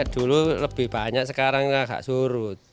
dulu lebih banyak sekarang nggak surut